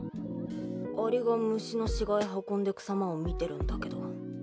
アリが虫の死骸運んでくさまを見てるんだけど